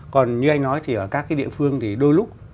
còn như anh nói thì ở các cái địa phương thì đôi lúc